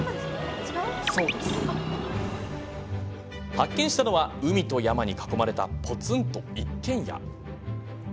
発見したのは海と山に囲まれたポツンと一軒家。